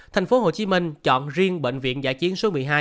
tp hcm chọn riêng bệnh viện giã chiến số một mươi hai